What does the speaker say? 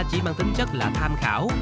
chỉ bằng tính chất là tham khảo